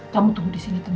kamu tunggu disini tenang